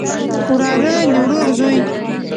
وراره د ورور زوی